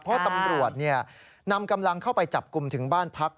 เพราะตำรวจนำกำลังเข้าไปจับกลุ่มถึงบ้านพัก